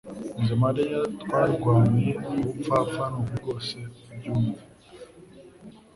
Jye na mariya twarwanye ubupfapfa nukuri rwose byumve